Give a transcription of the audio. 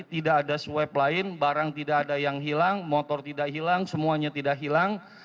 tidak ada swab lain barang tidak ada yang hilang motor tidak hilang semuanya tidak hilang